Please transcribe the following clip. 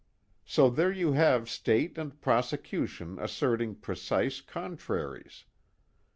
So there you have state and prosecution asserting precise contraries.